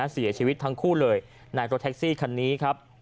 เสียชีวิตทั้งคู่เลยในรถแท็กซี่คันนี้ครับ